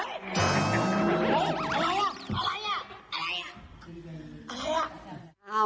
อะไรอ่ะอะไรอ่ะ